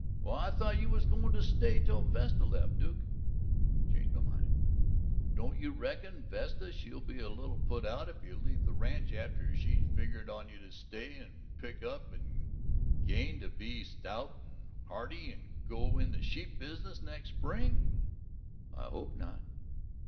"Why, I thought you was goin' to stay till Vesta left, Duke?" "Changed my mind." "Don't you reckon Vesta she'll be a little put out if you leave the ranch after she'd figgered on you to stay and pick up and gain and be stout and hearty to go in the sheep business next spring?" "I hope not."